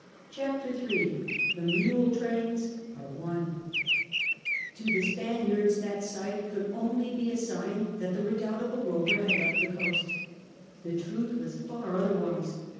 CHAPTER III THE MULE TRAINS To the Spaniards, that sight could only be a sign that the redoubtable rover had left the coast. The truth was far otherwise.